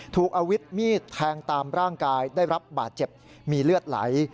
ถูกอาวุธมีดแทงตามร่างกายได้รับบาดเจ็บมีเลือดไหล